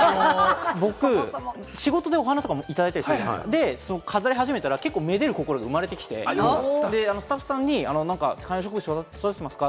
僕、仕事でお花を頂いたりするんですけれども、飾り始めたら愛でる心が生まれてきて、スタッフさんに観葉植物、育ててますか？